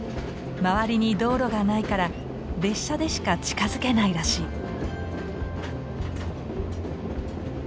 周りに道路がないから列車でしか近づけないらしい。